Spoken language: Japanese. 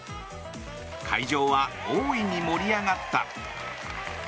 会場は大いに盛り上がった。